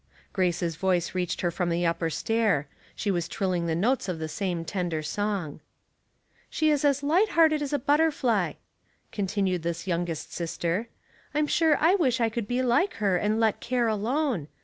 Grace's voice reached her from the upper stair ; she was trilling the notes of the 8ame tender song. no Household Puzzles " She is as light hearted as a b itterfly," con tinned this youngest sister. " I'm sure I wish 1 could be like her and let care alone.